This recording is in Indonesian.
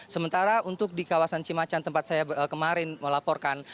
sementara untuk di kawasan cimacan tempat saya kemarin melaporkan